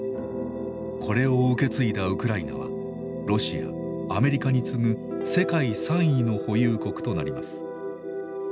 これを受け継いだウクライナはロシアアメリカに継ぐ世界３位の保有国となります。